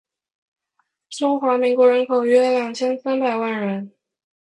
中华民国人口约二千三百万人